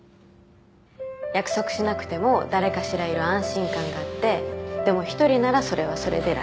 約束しなくても誰かしらいる安心感があってでも１人ならそれはそれでラッキー。